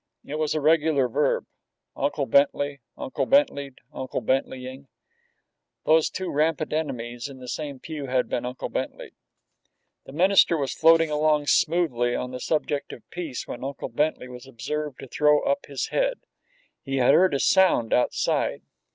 It was a regular verb, unclebentley, unclebentleyed, unclebentleying. Those two rampant enemies in the same pew had been unclebentleyed. The minister was floating along smoothly on the subject of peace when Uncle Bentley was observed to throw up his head. He had heard a sound outside.